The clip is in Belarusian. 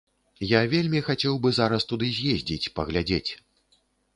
Я вельмі хацеў бы зараз туды з'ездзіць, паглядзець.